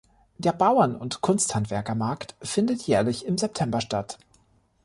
Der Bauern- und Kunsthandwerkermarkt findet jährlich im September statt.